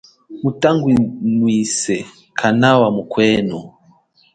Mutangunwise kanawa mukwenu.